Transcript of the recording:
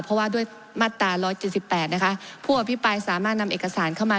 เพราะว่าด้วยมาตรา๑๗๘นะคะผู้อภิปรายสามารถนำเอกสารเข้ามา